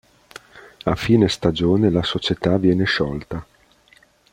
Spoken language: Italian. A fine stagione la società viene sciolta.